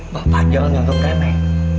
bapak jangan nganggep remeh